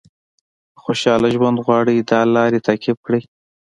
که خوشاله ژوند غواړئ دا لارې تعقیب کړئ.